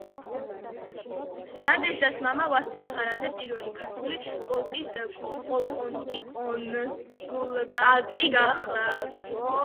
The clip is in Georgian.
ნადეჟდას მამა ვასილ ხარაძე, პირველი ქართული პოლკის პოლკოვნიკი-კონსულტანტი გახლდათ.